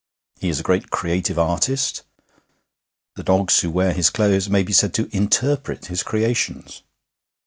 He is a great creative artist; the dogs who wear his clothes may be said to interpret his creations.